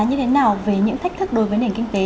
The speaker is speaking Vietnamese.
như thế nào về những thách thức đối với nền kinh tế